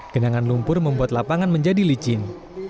genangan lumpur membuat lapangan menjadi licin